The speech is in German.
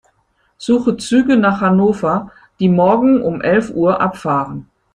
Suche Züge nach Hannover, die morgen um elf Uhr abfahren.